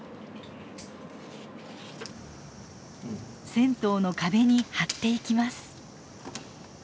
銭湯の壁に貼っていきます。